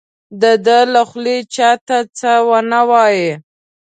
د ده له خولې چا ته څه ونه وایي.